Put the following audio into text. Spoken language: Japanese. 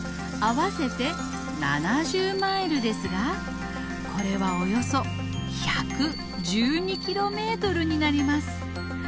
あわせて７０マイルですがこれはおよそ１１２キロメートルになります。